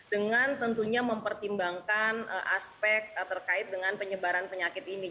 dengan tentunya mempertimbangkan aspek terkait dengan penyebaran penyakit ini